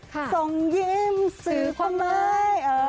ของย่ำสื่อครั้วมาก